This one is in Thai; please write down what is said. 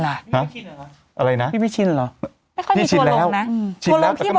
อะไรละพี่ไม่ชินหรอไม่ค่อยมีทัวร์ลงนะ